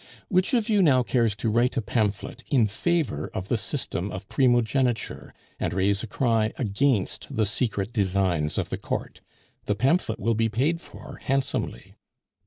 Which of you now cares to write a pamphlet in favor of the system of primogeniture, and raise a cry against the secret designs of the Court? The pamphlet will be paid for handsomely."